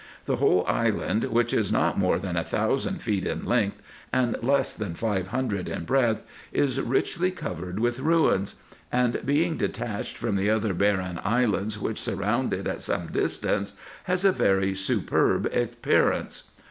The whole island, which is not more than a thousand feet in length, and less than five hundred in breadth, is richly covered with ruins ; and being detached from the D D 202 RESEARCHES AND OPERATIONS other barren islands which surround it at some distance, has a very superb appearance.